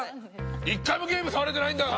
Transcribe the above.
１回もゲーム触れてないんだよ！